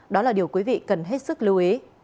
đó là điều quý vị cần hết sức lưu ý